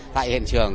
tại hiện trường